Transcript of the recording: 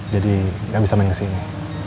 jadi gak bisa main kesini